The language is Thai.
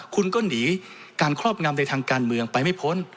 คุณก็หนีการครอบงำในทางการเมืองไปไม่พ้น